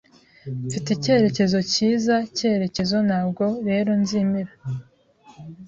Mfite icyerekezo cyiza cyerekezo, ntabwo rero nzimira.